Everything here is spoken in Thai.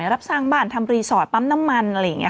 รับสร้างบ้านทำรีสอร์ทปั๊มน้ำมันอะไรอย่างนี้